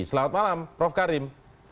selamat malam prof karim